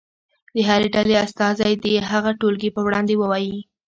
د هرې ډلې استازی دې هغه ټولګي په وړاندې ووایي.